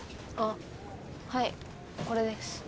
あっはいこれです。